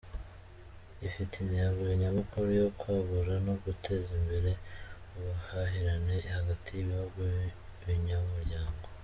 Ifite intego nyamukuru yo kwagura no guteza imbere ubuhahirane hagati y’ibihugu binyamuryango.